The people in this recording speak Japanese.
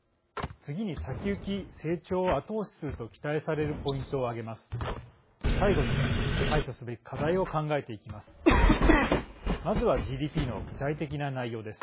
次に先行き、成長を後押しすると期待されるポイントを挙げます。